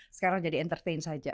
sekarang jadi entertain saja